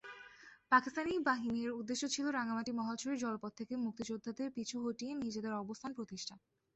পাকিস্তানি বাহিনীর উদ্দেশ্য ছিলো রাঙামাটি-মহালছড়ির জলপথ থেকে মুক্তিযোদ্ধাদের পিছু হটিয়ে নিজেদের অবস্থান প্রতিষ্ঠা।